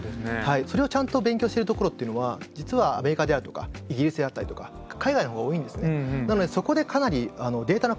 それをちゃんと勉強してるところっていうのは実はアメリカであるとかイギリスであったりとか海外の方が多いんですね。